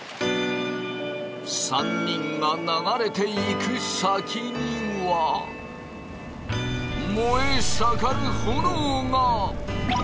３人が流れていく先には燃え盛る炎が！